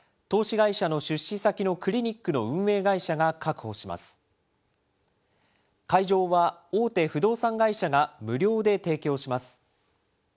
会場は大手不動産会社が無料で提供します。